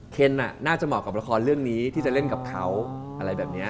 เคนน่าจะเหมาะกับละครเรื่องนี้ที่จะเล่นกับเขาอะไรแบบนี้